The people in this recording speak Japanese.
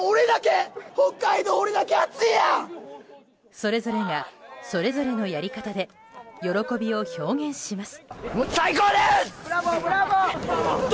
それぞれがそれぞれのやり方で喜びを表現します。